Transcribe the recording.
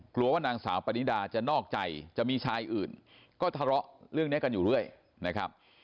กลัวว่านางสาวปนิดาจะนอกใจจะมีชายอื่นก็ทะเลาะเรื่องนี้กันอยู่เรื่อยนะครับ